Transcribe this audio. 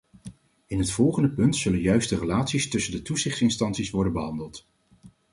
In het volgende punt zullen juist de relaties tussen de toezichtinstanties worden behandeld.